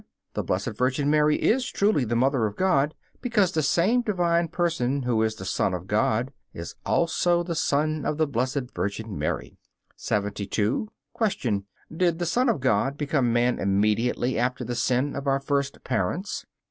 The Blessed Virgin Mary is truly the Mother of God, because the same Divine Person who is the Son of God is also the Son of the Blessed Virgin Mary. 72. Q. Did the Son of God become man immediately after the sin of our first parents?